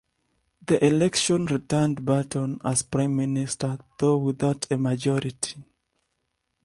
The election returned Barton as prime minister, though without a majority.